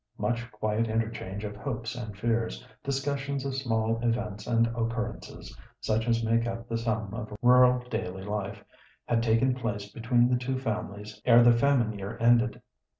Much quiet interchange of hopes and fears, discussions of small events and occurrences, such as make up the sum of rural daily life, had taken place between the two families ere the famine year ended.